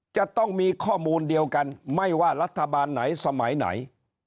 จะต้องมีข้อมูลเดียวกันไม่ว่ารัฐบาลไหนสมัยไหน